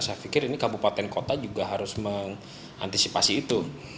saya pikir ini kabupaten kota juga harus mengantisipasi itu